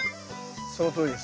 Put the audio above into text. そのとおりです。